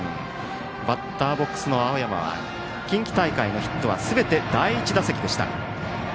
バッターボックスの青山は近畿大会のヒットはすべて第１打席でした。